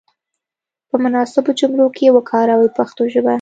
په مناسبو جملو کې یې وکاروئ په پښتو ژبه.